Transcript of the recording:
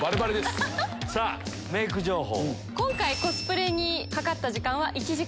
さぁメイク情報。